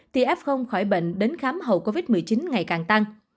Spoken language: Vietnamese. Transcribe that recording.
thì f khỏi bệnh đến khám hậu covid một mươi chín ngày càng tăng